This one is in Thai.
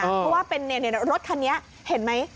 เพราะว่าเป็นรถคันนี้เห็นไหม